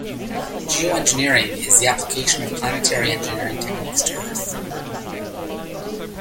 Geoengineering is the application of planetary engineering techniques to Earth.